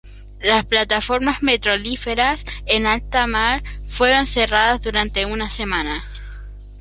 Las plataformas petrolíferas en alta mar fueron cerradas durante una semana.